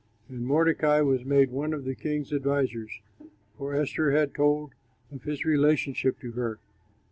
And Mordecai was made one of the king's advisers, for Esther had told of his relationship to her.